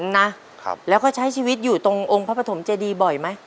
นะแล้วก็ใช้ชีวิตอยู่ตรงองค์พระปฐมเจดีบ่อยไหม